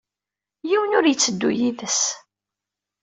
Yiwen ur yetteddu yid-s.